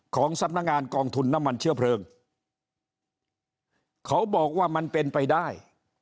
ของสำนักงานกองทุนน้ำมันเชื้อเพลิงเขาบอกว่ามันเป็นไปได้